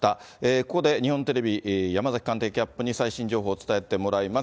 ここで日本テレビ、山崎官邸キャップに最新情報、伝えてもらいます。